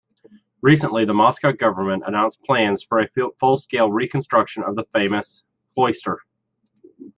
Recently the Moscow government announced plans for a full-scale reconstruction of the famous cloister.